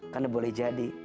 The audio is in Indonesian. karena boleh jadi